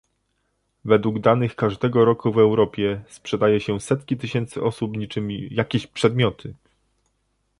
według danych każdego roku w Europie sprzedaje się setki tysięcy osób niczym jakieś przedmioty